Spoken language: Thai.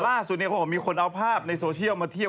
ล่าสุดนี้เขาก็บอกว่ามีคนเอาภาพในโซเชียลมาเทียบ